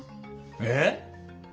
えっ！？